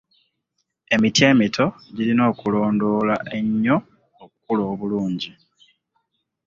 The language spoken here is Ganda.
Emiti emito girina okulondoola ennyo okukula obulungi.